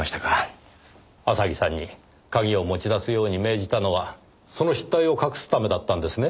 浅木さんに鍵を持ち出すように命じたのはその失態を隠すためだったんですね。